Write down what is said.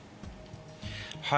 はい。